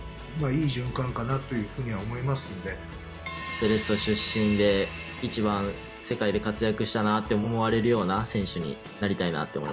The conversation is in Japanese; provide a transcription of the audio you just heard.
セレッソ出身で一番世界で活躍したなって思われるような選手になりたいなって思います。